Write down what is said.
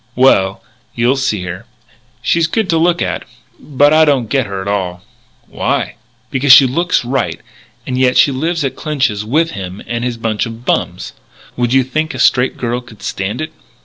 "Well, you'll see her. She's good to look at. But I don't get her at all." "Why?" "Because she looks right and yet she lives at Clinch's with him and his bunch of bums. Would you think a straight girl could stand it?"